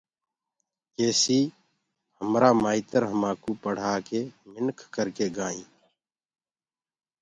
ڪيسي همرآ مآئتر همآنٚڪو پڙهآڪي منک ڪرڪي گآئينٚ